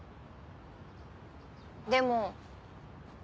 でも。